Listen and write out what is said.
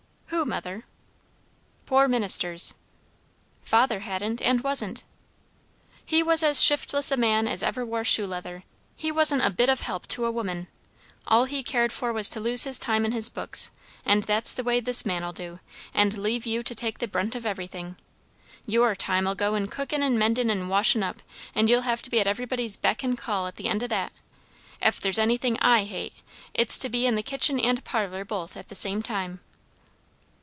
"Who, mother?" "Poor ministers." "Father hadn't and wasn't." "He was as shiftless a man as ever wore shoe leather; he wasn't a bit of help to a woman. All he cared for was to lose his time in his books; and that's the way this man'll do, and leave you to take the brunt of everything. Your time'll go in cookin' and mendin' and washin' up; and you'll have to be at everybody's beck and call at the end o' that. If there's anything I hate, it's to be in the kitchen and parlour both at the same time."